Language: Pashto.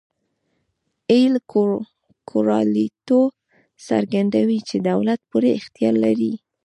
اېل کورالیټو څرګندوي چې دولت پوره اختیار لري.